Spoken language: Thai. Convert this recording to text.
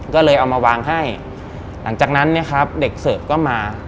ก็เลยเอามาวางให้หลังจากนั้นเด็กเสิร์ฟก็มา